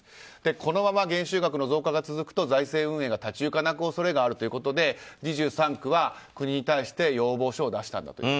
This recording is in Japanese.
このまま減収額の増加が続くと財政運営が立ち行かなくなる恐れがあるということで２３区は国に対して要望書を出したと。